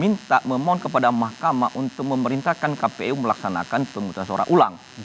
dan yang kedua adalah memaun kepada mahkamah untuk melemahkan pertumbuhan sesuai dengan berdasarkan kontotch jasa adalah sahara ulang